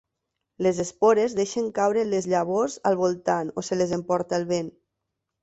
Les espores deixen caure les llavors al voltant o se les emporta el vent.